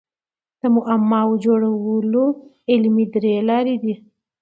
د معماوو جوړولو علمي درې لاري دي.